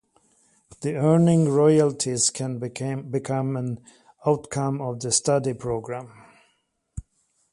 Thus, earning royalties can become an outcome of the study programme.